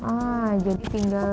ah jadi tinggal